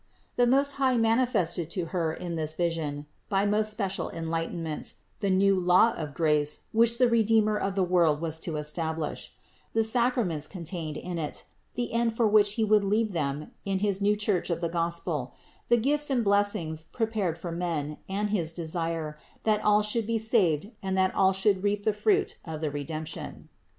39. The Most High manifested to Her in this vision, by most special enlightenments, the new Law of grace which the Redeemer of the world was to establish, the Sacraments contained in it, the end for which He would leave them in his new Church of the Gospel, the gifts and blessings prepared for men, and his desire, that all 47 48 CITY OF GOD should be saved and that all should reap the fruit of the Redemption.